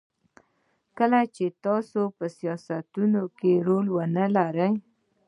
کله چې تاسو په سیاستونو کې رول ونلرئ.